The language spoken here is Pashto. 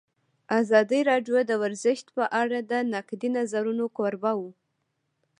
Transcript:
ازادي راډیو د ورزش په اړه د نقدي نظرونو کوربه وه.